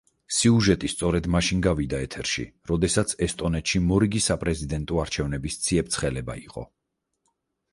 სიუჟეტი სწორედ მაშინ გავიდა ეთერში, როდესაც ესტონეთში მორიგი საპრეზიდენტო არჩევნების ციებ-ცხელება იყო.